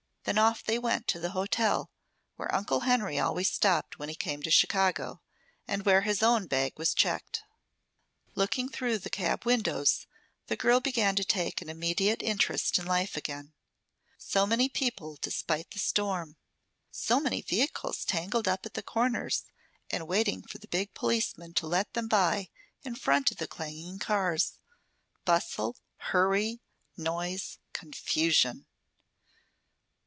Then off they went to the hotel where Uncle Henry always stopped when he came to Chicago, and where his own bag was checked. Looking through the cab windows, the girl began to take an immediate interest in life again. So many people, despite the storm! So many vehicles tangled up at the corners and waiting for the big policemen to let them by in front of the clanging cars! Bustle, hurry, noise, confusion!